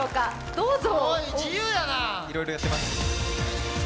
どうぞ。